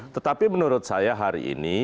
tetapi menurut saya hari ini